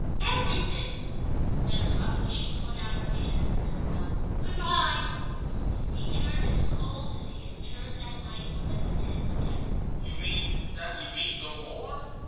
"Everything!" Then abruptly she put out her hand in farewell. "Good bye." He turned as cold as he had turned that night he read the man's death. "You mean that we meet no more?"